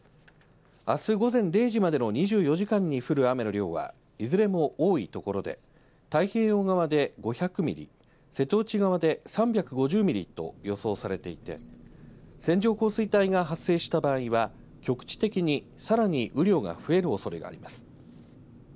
あす午前０時までの２４時間に降る雨の量はいずれも多いところで太平洋側で５００ミリ、瀬戸内側で３５０ミリと予想されていて線状降水帯が発生した場合は局地的にさらに雨量が増えるおそれがあります。